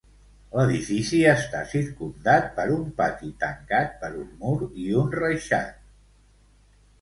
L'edifici està circumdat per un pati tancat per un mur i un reixat.